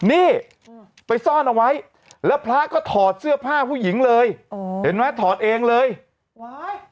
นี่ไปซ่อนเอาไว้แล้วพระก็ถอดเสื้อผ้าผู้หญิงเลยโอ้เห็นไหมถอดเองเลยว้าย